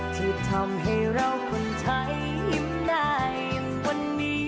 ที่ทำให้เราคนไทยยิ้มได้วันนี้